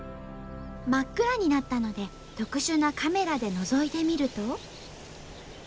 真っ暗になったので特殊なカメラでのぞいてみると。